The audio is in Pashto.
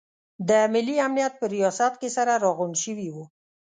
د ملي امنیت په ریاست کې سره راغونډ شوي وو.